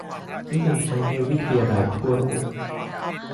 นิยมใช้ในมหาวิทยาลัยทั่วโลก